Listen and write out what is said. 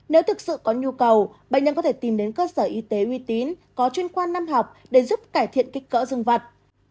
nếu thực sự có nhu cầu bệnh nhân có thể tìm đến cơ sở y tế uy tín có chuyên khoan năm học để giúp cải thiện kích cỡ dân vật